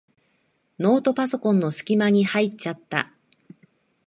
ノートパソコンのすき間に入っちゃった。